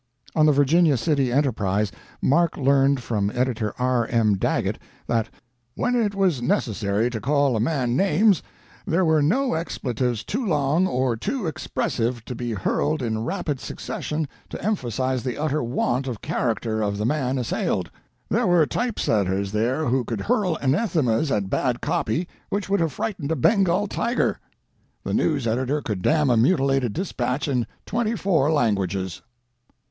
On the Virginia City Enterprise Mark learned from editor R. M. Daggett that "when it was necessary to call a man names, there were no expletives too long or too expressive to be hurled in rapid succession to emphasize the utter want of character of the man assailed.... There were typesetters there who could hurl anathemas at bad copy which would have frightened a Bengal tiger. The news editor could damn a mutilated dispatch in twenty four languages."